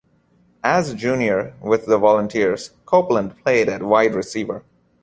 As a junior with the Volunteers, Copeland played at wide receiver.